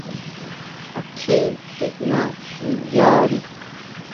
¿A kjín tijná niʼyari!